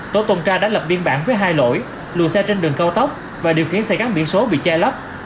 tổ tuần tra đã lập biên bản với hai lỗi lùi xe trên đường cao tốc và điều khiến xe gắn biển số bị che lấp